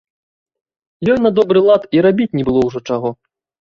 Ёй на добры лад і рабіць не было ўжо чаго.